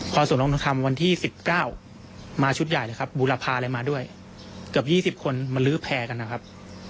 พอส่งลงทำวันที่สิบเก้ามาชุดใหญ่นะครับบุรพาเลยมาด้วยเกือบยี่สิบคนมันลื้อแพ้กันนะครับ